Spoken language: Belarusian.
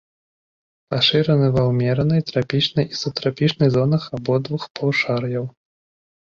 Пашыраны ва ўмеранай, трапічнай і субтрапічнай зонах абодвух паўшар'яў.